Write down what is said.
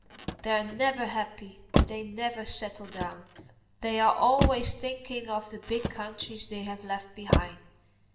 They're never happy. They never settle down. They are always thinking of the big countries they have left behind.